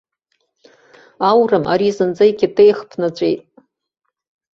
Аурым ари зынӡа икьатеих ԥнаҵәеит.